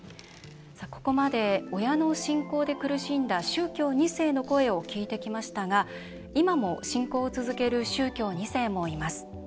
ここまで親の信仰で苦しんだ宗教２世の声を聞いてきましたが今も、信仰を続ける宗教２世もいます。